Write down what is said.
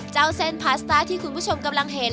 เจ้าเส้นพาสต้าที่คุณผู้ชมกำลังเห็น